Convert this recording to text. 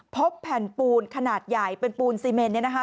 พบแผ่นปูนขนาดใหญ่เป็นปูนซีเมนเนี่ยนะคะ